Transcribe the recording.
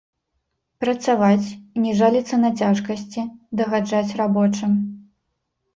Працаваць, не жаліцца на цяжкасці, дагаджаць рабочым.